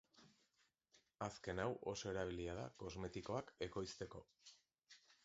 Azken hau oso erabilia da kosmetikoak ekoizteko.